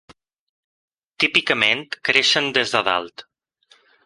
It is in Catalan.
Típicament creixen des de dalt.